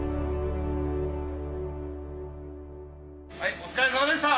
お疲れさまでした！